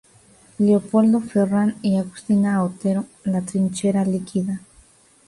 Leopoldo Ferran y Agustina Otero: "La trinchera líquida".